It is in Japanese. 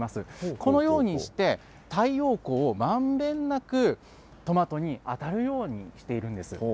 このようにして、太陽光をまんべんなくトマトに当たるようにしているんです。